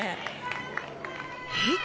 えっ？